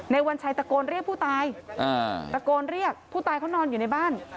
วัญชัยตะโกนเรียกผู้ตายตะโกนเรียกผู้ตายเขานอนอยู่ในบ้าน